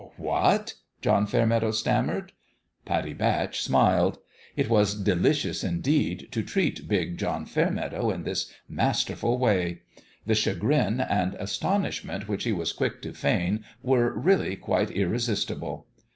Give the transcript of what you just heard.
" Wh wh z^<2/ /" John Fairmeadow stam mered. Pattie Batch smiled. It was delicious, indeed, to treat big John Fairmeadow in this masterful way. The chagrin and astonishment which he was quick to feign were really quite irresistible.